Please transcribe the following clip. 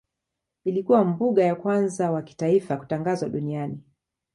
Ilikuwa mbuga ya kwanza wa kitaifa kutangazwa duniani.